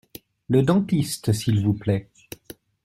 Le dentiste, s’il vous plaît ?